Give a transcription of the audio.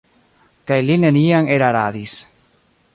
Kaj li neniam eraradis.